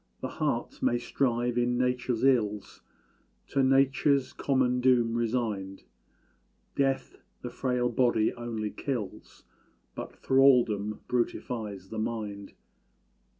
The heart may strive in Nature's ills, To Nature's common doom resigned: Death the frail body only kills But thraldom brutifies the mind.